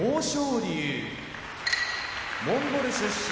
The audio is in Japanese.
龍モンゴル出身